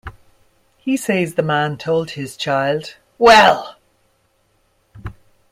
He says the man told his child, 'Well!